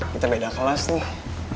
kita beda kelas nih